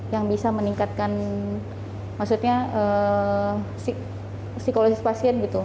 yang bisa meningkatkan maksudnya psikologis pasien gitu